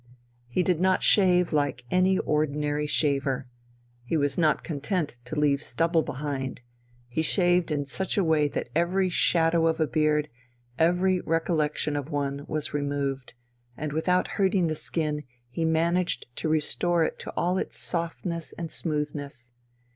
He did not shave like any ordinary shaver, he was not content to leave no stubble behind, he shaved in such a way that every shadow of a beard, every recollection of one, was removed, and without hurting the skin he managed to restore to it all its softness and smoothness.